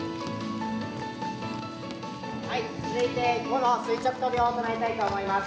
はい続いて午の垂直跳びを行いたいと思います。